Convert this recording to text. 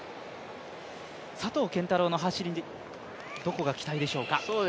佐藤拳太郎の走り、どこが期待でしょうか？